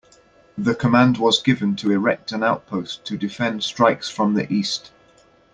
The command was given to erect an outpost to defend strikes from the east.